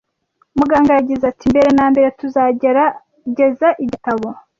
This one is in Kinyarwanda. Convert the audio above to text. Muganga yagize ati: "Mbere na mbere tuzagerageza igitabo."